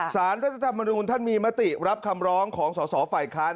สารรัฐธรรมนูลท่านมีมติรับคำร้องของสอสอฝ่ายค้าน